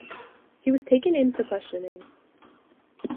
He was taken in for questioning.